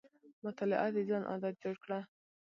مطالعه د ځان عادت جوړ کړه.